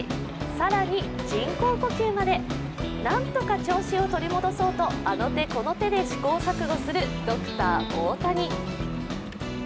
更に人工呼吸までなんとか調子を取り戻そうとあの手この手で試行錯誤するドクター大谷。